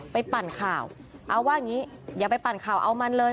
ปั่นข่าวเอาว่าอย่างนี้อย่าไปปั่นข่าวเอามันเลย